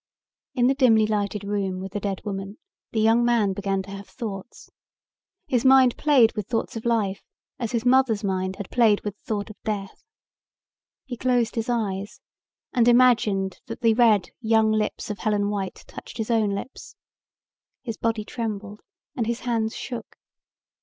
In the dimly lighted room with the dead woman the young man began to have thoughts. His mind played with thoughts of life as his mother's mind had played with the thought of death. He closed his eyes and imagined that the red young lips of Helen White touched his own lips. His body trembled and his hands shook.